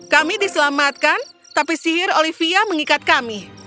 kami diselamatkan tapi sihir olivia mengikat kami